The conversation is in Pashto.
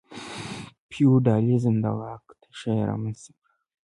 فیوډالېزم د واک تشه رامنځته کړه.